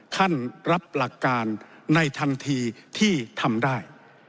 ขั้นรับหลักการในทันทีที่ทำได้